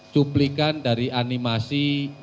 cuplikan dari animasi